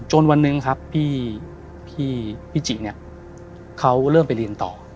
วันหนึ่งครับพี่จิเนี่ยเขาเริ่มไปเรียนต่อ